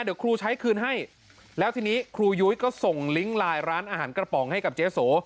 เดี๋ยวครูใช้คืนให้แล้วทีนี้ครูยุ้ยก็ส่งลิงก์ไลน์ร้านอาหารกระป๋องให้กับเจ๊โส